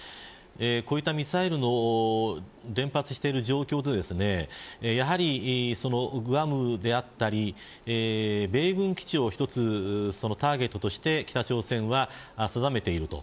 このようにミサイルが連発している状況でやはり、グアムであったり米軍基地を一つターゲットとして北朝鮮は定めていると。